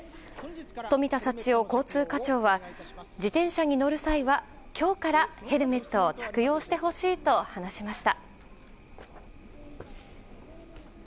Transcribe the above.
富田幸男交通課長は自転車に乗る際は今日からヘルメットを着用してほしいと話しました。